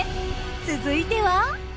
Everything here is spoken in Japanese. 続いては。